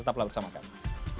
tetap lagi bersama kami